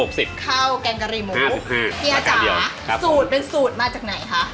ข้าวแกงกะหรี่หมูเฮียจ๋าสูตรเป็นสูตรมาจากไหนคะ